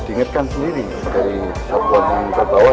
kita mengalirkan sendiri dari sabuk yang terbawah